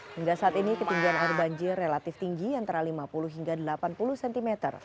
hingga saat ini ketinggian air banjir relatif tinggi antara lima puluh hingga delapan puluh cm